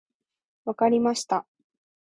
分かりました。